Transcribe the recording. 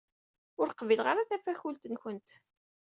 Ur qbileɣ ara tafakult-nwent.